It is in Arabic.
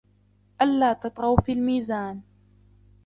أَلاَّ تَطْغَوْا فِي الْمِيزَانِ